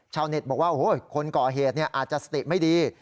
ชาวเน็ตบอกว่าโอ้โหคนก่อเหตุเนี่ยอาจจะสติไม่ดี